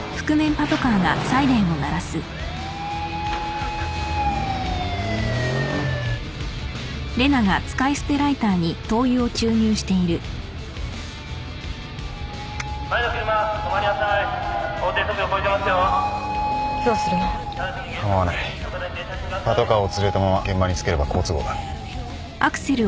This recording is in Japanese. パトカーを連れたまま現場に着ければ好都合だ。